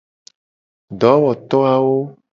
Dowoto awo.